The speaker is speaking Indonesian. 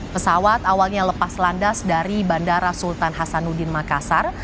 pesawat awalnya lepas landas dari bandara sultan hasanuddin makassar